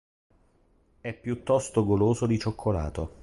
È piuttosto goloso di cioccolato.